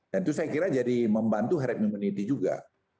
dan itu saya kira jadi membantu heretmen ini juga